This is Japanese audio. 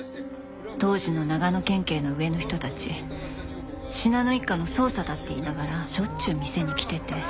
当時の長野県警の上の人たち信濃一家の捜査だって言いながらしょっちゅう店に来てて。